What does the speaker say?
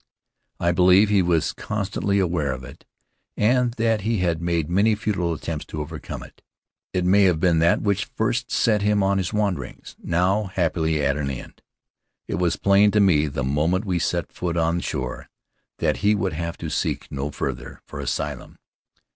I believe he was constantly aware of it, that he had made many futile attempts to overcome it. It may have been that which first set him on his wanderings, now happily at an end. It was plain to me the moment we set foot on shore that he would have to seek no farther for asylum.